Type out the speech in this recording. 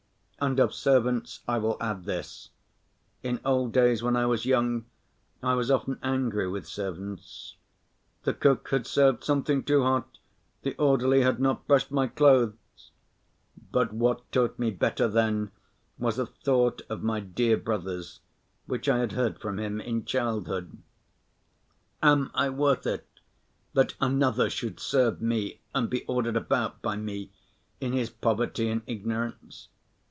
And of servants I will add this: In old days when I was young I was often angry with servants; "the cook had served something too hot, the orderly had not brushed my clothes." But what taught me better then was a thought of my dear brother's, which I had heard from him in childhood: "Am I worth it, that another should serve me and be ordered about by me in his poverty and ignorance?"